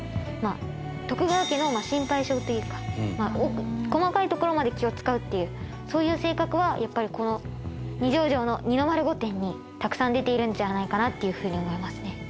まあ徳川家の心配性というか細かいところまで気を使うっていうそういう性格はやっぱりこの二条城の二の丸御殿にたくさん出ているんじゃないかなっていうふうに思いますね。